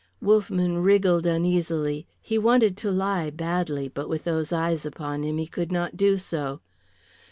Wolffman wriggled uneasily. He wanted to lie badly, but with those eyes upon him he could not do so.